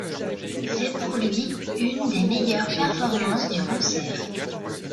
C'est pour lui une des meilleures performances du concert.